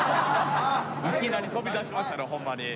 いきなり飛び出しましたねほんまに。